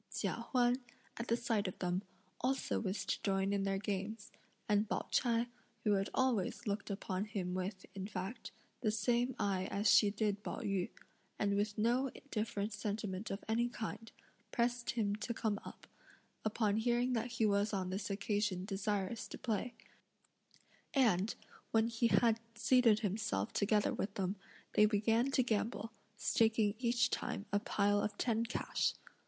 Chia Huan, at the sight of them, also wished to join in their games; and Pao ch'ai, who had always looked upon him with, in fact, the same eye as she did Pao yü, and with no different sentiment of any kind, pressed him to come up, upon hearing that he was on this occasion desirous to play; and, when he had seated himself together with them, they began to gamble, staking each time a pile of ten cash.